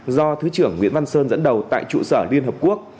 do thứ trưởng nguyễn văn sơn dẫn đầu tại trụ sở liên hợp quốc